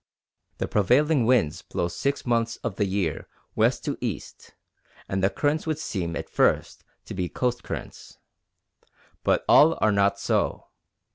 The prevailing winds blow six months of the year west to east, and the currents would seem at first to be coast currents. But all are not so.